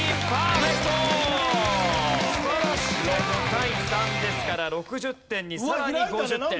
６対３ですから６０点にさらに５０点。